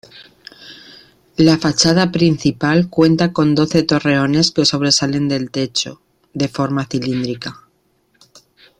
La fachada principal cuenta con doce torreones que sobresalen del techo, de forma cilíndrica.